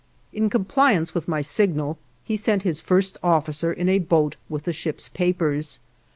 In compliance with my signal he sent his first officer in a boat with the ship's papers.